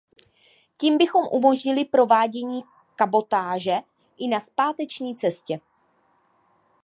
Tím bychom umožnili provádění kabotáže i na zpáteční cestě.